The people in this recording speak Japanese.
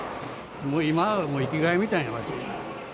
もう今は生きがいみたいな場所。